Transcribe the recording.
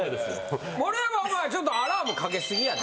盛山お前ちょっとアラームかけすぎやな。